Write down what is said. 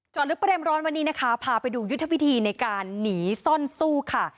ลึกประเด็นร้อนวันนี้นะคะพาไปดูยุทธวิธีในการหนีซ่อนสู้ค่ะ